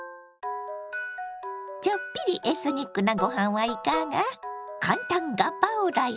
ちょっぴりエスニックなご飯はいかが？